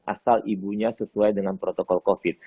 asal ibunya sesuai dengan protokol covid